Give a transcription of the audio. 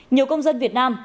nhiều công dân việt nam